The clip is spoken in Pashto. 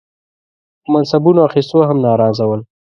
په منصبونو اخیستو هم ناراضه ول.